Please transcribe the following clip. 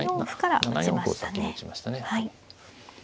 ７四歩を先に打ちましたね。